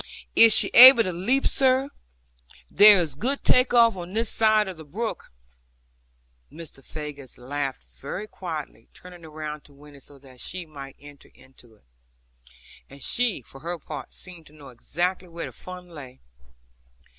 'Is she able to leap, sir? There is good take off on this side of the brook.' Mr. Faggus laughed very quietly, turning round to Winnie so that she might enter into it. And she, for her part, seemed to know exactly where the fun lay.